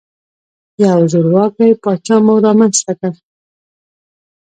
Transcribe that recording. یو زورواکۍ پاچا مو رامنځته کړ.